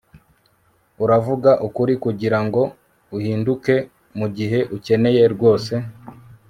uravuga ukuri kugirango uhinduke, mugihe ukeneye rwose